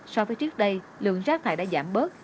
so với trước đây lượng rác thải đã giảm bớt